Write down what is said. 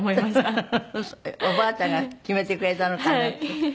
フフフフおばあちゃんが決めてくれたのかなって？